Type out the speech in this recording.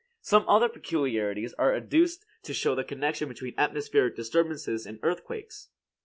Some other peculiarities are adduced to show the connection between atmospheric disturbances and earthquakes.